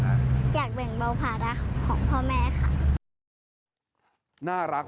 อยากแบ่งเบาผลาดาของพ่อแม่ค่ะ